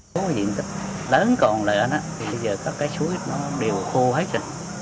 có một diện tích lớn còn lợi đó bây giờ các cái suối nó đều khô hết rồi